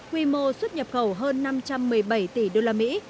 quy mô xuất nhập khẩu hơn năm trăm một mươi bảy tỷ đô la mỹ